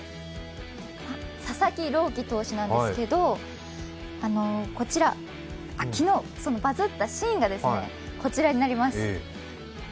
佐々木朗希投手なんですけど、昨日のバズったシーンがこちらになります。